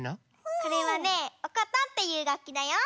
これはねおことっていうがっきだよ。